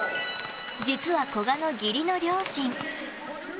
実は古賀の義理の両親。